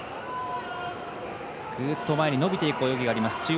グーッと前に伸びていく泳ぎがあります。